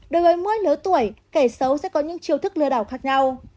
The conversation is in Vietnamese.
đối với mỗi lứa tuổi kẻ xấu sẽ có những chiêu thức lừa đảo khác nhau